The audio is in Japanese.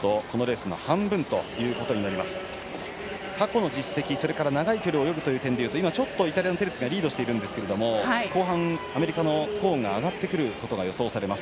過去の実績、長い距離を泳ぐという点で言うとイタリアのテルツィがリードしているんですが後半、アメリカのコーンが上がってくることが予想されます。